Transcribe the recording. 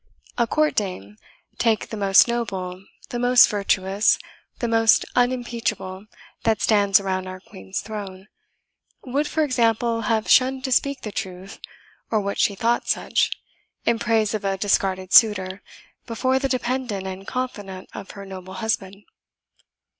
A court dame take the most noble, the most virtuous, the most unimpeachable that stands around our Queen's throne would, for example, have shunned to speak the truth, or what she thought such, in praise of a discarded suitor, before the dependant and confidant of her noble husband."